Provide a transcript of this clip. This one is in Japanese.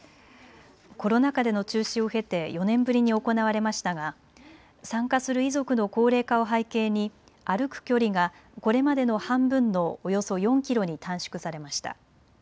コロナ禍での中止を経て４年ぶりに行われましたが参加する遺族の高齢化を背景に歩く距離がこれまでの半分のおよそ４キロに短縮されました。